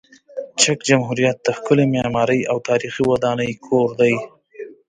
چک جمهوریت د ښکلې معماري او تاریخي ودانۍ کور دی.